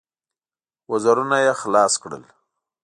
وزرونه يې خلاص کړل.